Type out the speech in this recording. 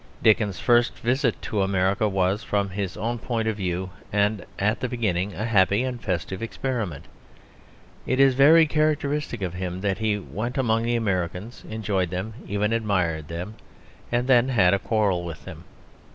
Dickens's first visit to America was, from his own point of view, and at the beginning, a happy and festive experiment. It is very characteristic of him that he went among the Americans, enjoyed them, even admired them, and then had a quarrel with them.